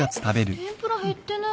天ぷら減ってない。